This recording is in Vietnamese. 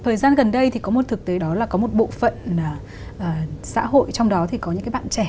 thời gian gần đây thì có một thực tế đó là có một bộ phận xã hội trong đó thì có những cái bạn trẻ